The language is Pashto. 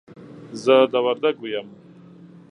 زه د وردګو يم.